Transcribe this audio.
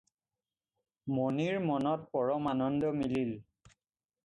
মণিৰ মনত পৰম আনন্দ মিলিল।